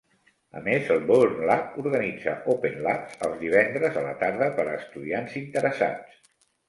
A més, el Bourn Lab organitza "Open Labs" els divendres a la tarda per a estudiants interessats.